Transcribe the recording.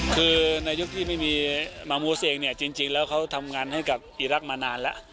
คือในยุคที่ไม่มีมามูเซงเนี่ยจริงแล้วเขาทำงานให้กับอีรักษ์มานานแล้ว